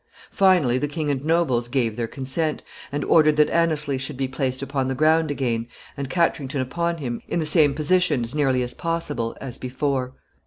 Finally the king and nobles gave their consent, and ordered that Anneslie should be placed upon the ground again, and Katrington upon him, in the same position, as nearly as possible, as before.